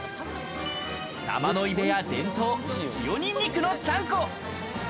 玉ノ井部屋伝統、塩にんにくのちゃんこ。